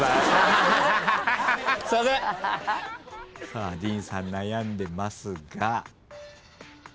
さあディーンさん悩んでますが。